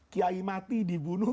kiai mati dibunuh